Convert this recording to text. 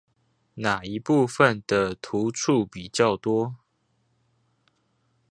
哪一部分的突觸比較多？